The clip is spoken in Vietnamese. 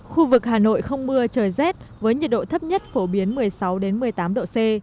khu vực hà nội không mưa trời rét với nhiệt độ thấp nhất phổ biến một mươi sáu một mươi tám độ c